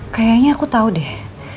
kayaknya aku tahu deh